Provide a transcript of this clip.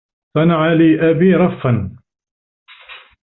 صنع لي أبي رفًّا.